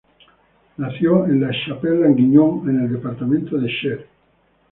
Nació en La Chapelle-d'Angillon en el departamento de Cher.